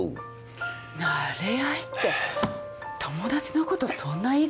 なれ合いって友達のことそんな言い方。